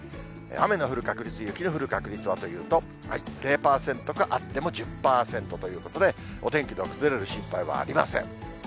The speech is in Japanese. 雨の降る確率、雪の降る確率はというと、０％か、あっても１０％ということで、お天気の崩れる心配はありません。